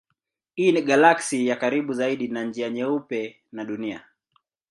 Hii ni galaksi ya karibu zaidi na Njia Nyeupe na Dunia.